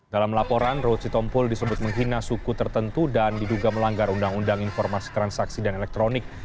dalam laporan ruhut sitompul disebut menghina suku tertentu dan diduga melanggar undang undang informasi transaksi dan elektronik